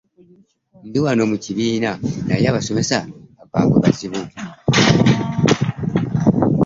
Ndi wano mukibiina naye absomesa bakambwe bazibu .